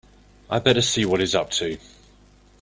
I'd better see what he's up to.